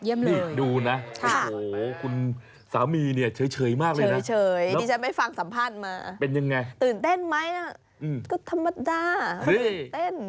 เยี่ยมเลยคุณสามีเฉยมากเลยนะเป็นยังไงตื่นเต้นไหมอ่ะก็ธรรมดาตื่นเต้น